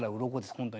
本当に。